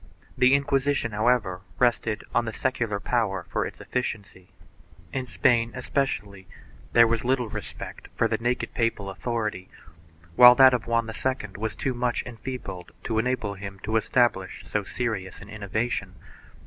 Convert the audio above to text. The Inquisition, however, rested on the secular power for its efficiency. In Spain, especially, there was little respect for the naked papal authority, while that of Juan II was too much enfeebled to enable him to establish so serious an innovation.